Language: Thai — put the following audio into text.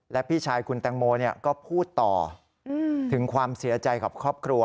และพี่ชายคุณแตงโมก็พูดต่อถึงความเสียใจกับครอบครัว